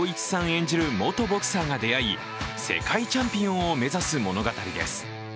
演じる元ボクサーが出会い世界チャンピオンを目指す物語です。